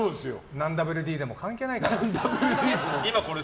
何ＷＤでも関係ないから。